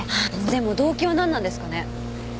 でも動機はなんなんですかね？